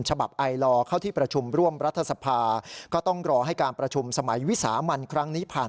ฉบับไอลอร์เข้าที่ประชุมร่วมรัฐสภาก็ต้องรอให้การประชุมสมัยวิสามันครั้งนี้ผ่าน